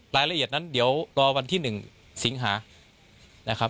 รายละเอียดนั้นเดี๋ยวรอวันที่๑สิงหานะครับ